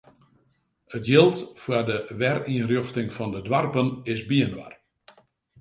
It jild foar de werynrjochting fan de doarpen is byinoar.